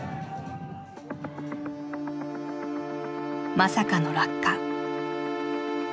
まさかの落下。